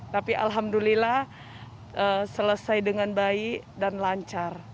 tapi alhamdulillah selesai dengan baik dan lancar